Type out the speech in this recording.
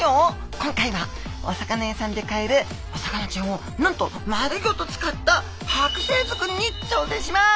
今回はお魚屋さんで買えるお魚ちゃんをなんと丸ギョと使ったはく製づくりにちょうせんします！